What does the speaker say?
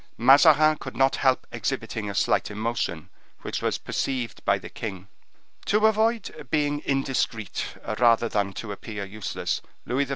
Mazarin could not help exhibiting a slight emotion, which was perceived by the king. To avoid being indiscreet, rather than to appear useless, Louis XIV.